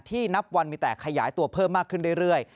นับวันมีแต่ขยายตัวเพิ่มมากขึ้นเรื่อย